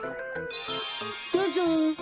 どうぞ。